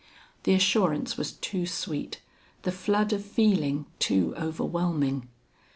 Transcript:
The assurance was too sweet, the flood of feeling too overwhelming.